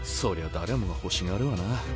誰もが欲しがるわな。